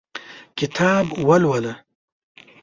کتاب ولوله !